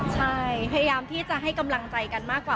ใช่พยายามที่จะให้กำลังใจกันมากกว่า